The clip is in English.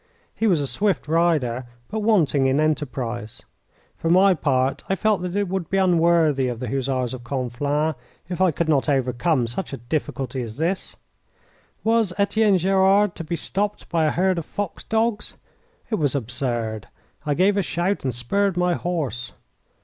He was a swift rider, but wanting in enterprise. For my part, I felt that it would be unworthy of the Hussars of Conflans if I could not overcome such a difficulty as this. Was Etienne Gerard to be stopped by a herd of fox dogs? It was absurd. I gave a shout and spurred my horse.